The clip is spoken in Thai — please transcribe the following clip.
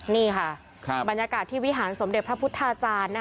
นี่ค่ะบรรยากาศที่วิหารสมเด็จพระพุทธาจารย์